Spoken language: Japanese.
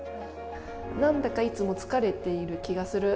何だかいつも疲れている気がする。